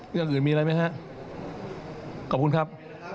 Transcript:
เรื่องอื่นมีอะไรไหมฮะขอบคุณครับ